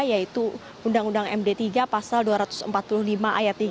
yaitu undang undang md tiga pasal dua ratus empat puluh lima ayat tiga